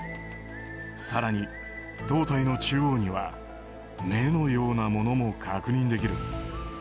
更に胴体の中央には目のようなものも確認できる。